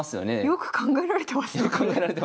よく考えられてますねこれ。